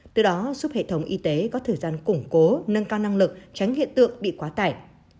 từ đó giúp hệ thống y tế có thời gian củng cố nâng cao năng lực tránh hiện tượng bị quá tải